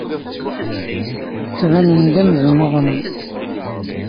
Ttbanen-d amzun uḍnen.